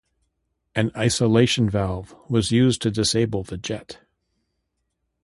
An isolation valve was used to disable the jet.